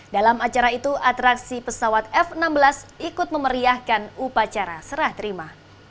dalam acara itu atraksi pesawat f enam belas ikut memeriahkan upacara serah terima